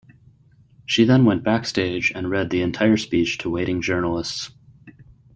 She then went backstage and read the entire speech to waiting journalists.